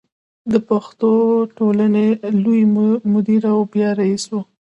د پښتو ټولنې لوی مدیر او بیا رئیس و.